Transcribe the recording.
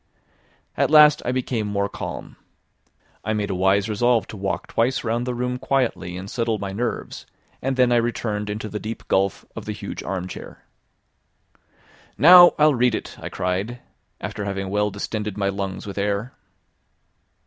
At last I became more calm. I made a wise resolve to walk twice round the room quietly and settle my nerves, and then I returned into the deep gulf of the huge armchair. "Now I'll read it," I cried, after having well distended my lungs with air.